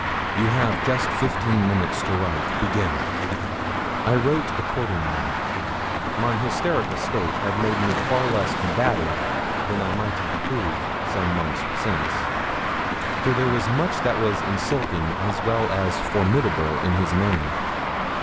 You have just fifteen minutes to write. Begin.' I wrote accordingly. My hysterical state had made me far less combative than I might have proved some months since, for there was much that was insulting as well as formidable in his manner.